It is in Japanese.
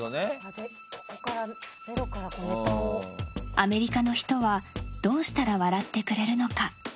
アメリカの人はどうしたら笑ってくれるのか。